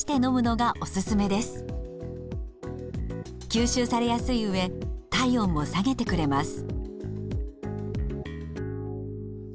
吸収されやすいうえ体温も下げてくれます。